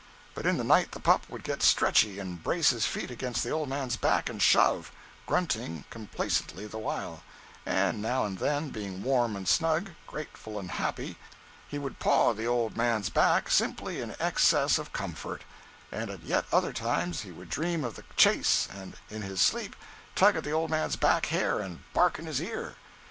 But in the night the pup would get stretchy and brace his feet against the old man's back and shove, grunting complacently the while; and now and then, being warm and snug, grateful and happy, he would paw the old man's back simply in excess of comfort; and at yet other times he would dream of the chase and in his sleep tug at the old man's back hair and bark in his ear.